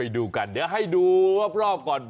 เดี๋ยวให้ดูวันรอบก่อน